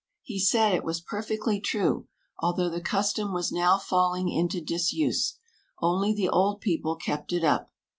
He said it was perfectly true, although the custom was now falling into disuse; only the old people kept it up.